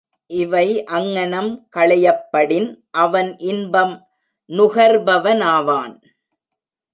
இவை அங்ஙனம் களையப்படின் அவன் இன்பம் நுகர்பவனாவான்.